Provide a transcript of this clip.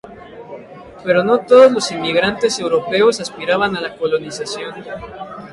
Pero no todos los inmigrantes europeos aspiraban a la colonización.